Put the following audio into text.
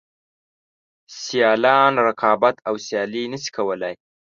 سیالان رقابت او سیالي نشي کولای.